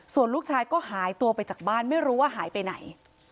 ส่วนลูกชายก็หายตัวไปจากบ้านไม่รู้ว่าหายไปไหน